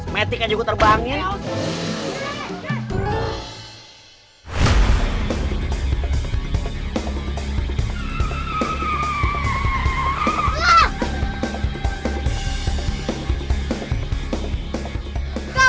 metik aja gue terbangin